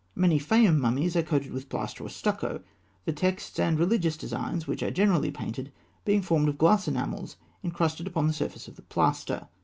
Many Fayûm mummies were coated with plaster or stucco, the texts and religious designs, which are generally painted, being formed of glass enamels incrusted upon the surface of the plaster.